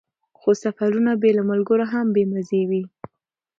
خو سفرونه بې له ملګرو هم بې مزې وي.